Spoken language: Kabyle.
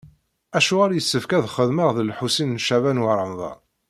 Acuɣer i yessefk ad xedmeɣ d Lḥusin n Caɛban u Ṛemḍan?